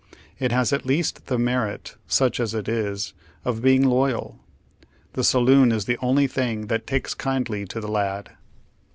It has at least the merit, such as it is, of being loyal. The saloon is the only thing that takes kindly to the lad.